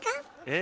え！